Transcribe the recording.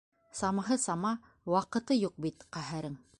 Самаһы - сама, ваҡыты юҡ бит, ҡәһәрең...